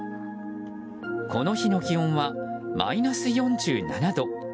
この日の気温はマイナス４７度。